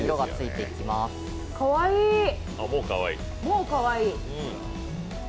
かわいい、もうかわいい。